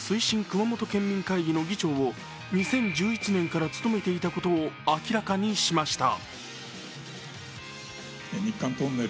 熊本県民会議の議長を２０１１年から務めていたことを明らかにしました。